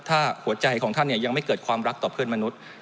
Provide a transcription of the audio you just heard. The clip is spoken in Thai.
ถ้าหัวใจของท่านยังไม่เกิดความรักต่อเพื่อนมนุษย์